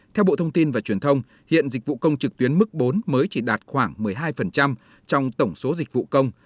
theo bộ thông tin và truyền thông hiện dịch vụ công trực tuyến mức bốn mới chỉ đạt khoảng một mươi hai trong tổng số dịch vụ công